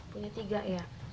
punya tiga ya